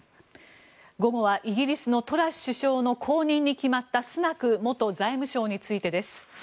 午後はイギリスのトラス首相の後任に決まったスナク元財務相についてです。